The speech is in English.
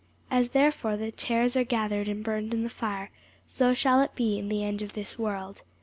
As therefore the tares are gathered and burned in the fire; so shall it be in the end of this world.